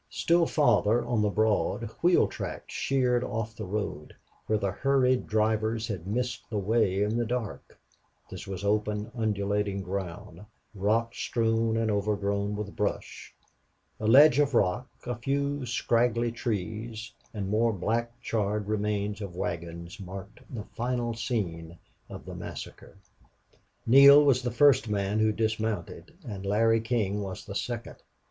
Still farther on the broad wheel tracks sheered off the road, where the hurried drivers had missed the way in the dark. This was open, undulating ground, rock strewn and overgrown with brush. A ledge of rock, a few scraggy trees, and more black, charred remains of wagons marked the final scene of the massacre. Neale was the first man who dismounted, and Larry King was the second.